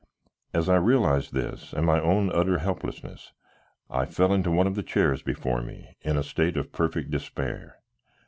As I realized this, and my own utter helplessness, I fell into one of the chairs before me in a state of perfect despair.